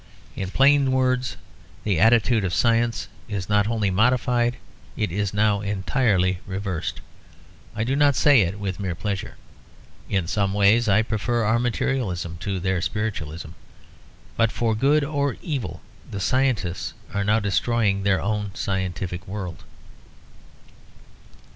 In plain words the attitude of science is not only modified; it is now entirely reversed. I do not say it with mere pleasure; in some ways I prefer our materialism to their spiritualism. But for good or evil the scientists are now destroying their own scientific world.